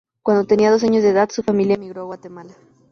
Cuando tenía dos años de edad su familia emigró a Guatemala.